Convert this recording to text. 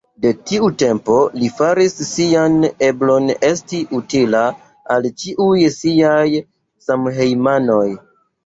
De tiu tempo li faris sian eblon esti utila al ĉiuj siaj samhejmanoj.